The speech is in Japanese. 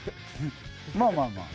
まあまあまあ。